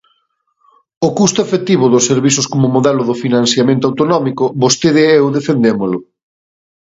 O custo efectivo dos servizos como modelo do financiamento autonómico, vostede e eu defendémolo.